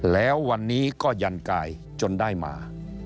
แล้ววันนี้ก็ยันกายจนได้มา